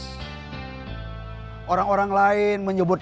kami adalah orang orang yang bebas